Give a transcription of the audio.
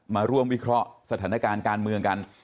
มาร่วมวิเคราะห์สถานการณ์การเมืองกัน